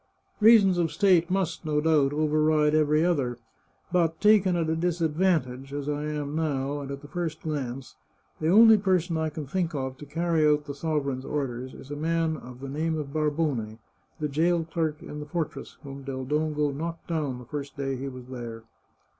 Reasons of state must, no doubt, override every other, but, taken at a disadvantage, as I am now, and at the first glance, the only person I can think of to carry out the sovereign's orders is a man of the name of Barbone, the jail clerk in the fortress, whom Del Dongo knocked down the first day he was there."